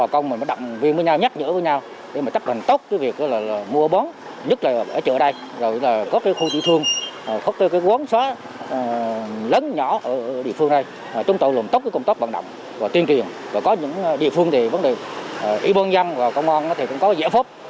có những địa phương thì vấn đề y bôn dân và công an thì cũng có giải phóp